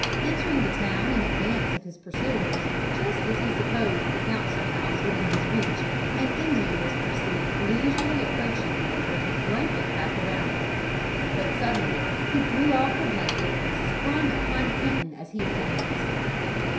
Entering the town in advance of his pursuers, just as he supposed the council house within his reach, an Indian was perceived leisurely approaching him with his blanket wrapped around him; but suddenly he threw off the blanket and sprung upon Kenton as he advanced.